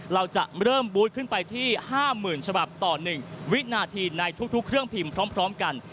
เราจะเริ่มบูธขึ้นไปที่๕๐๐๐ฉบับต่อ๑วินาทีในทุกเครื่องพิมพ์พร้อมกัน